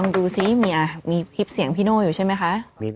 ดูสิมีคลิปเสียงพี่โน่อยู่ใช่ไหมคะ